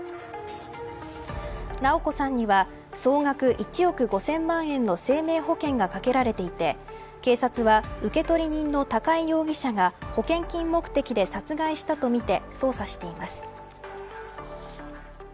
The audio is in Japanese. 直子さんには総額１億５０００万円の生命保険が掛けられていて警察は、受取人の高井容疑者が保険金目的で殺害したとみて捜査しています。